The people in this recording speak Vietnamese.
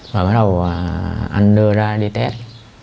rồi bắt đầu anh đưa ra đi test